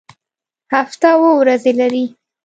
هفته اووه ورځې لري